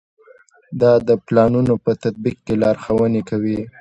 دا د پلانونو په تطبیق کې لارښوونې کوي.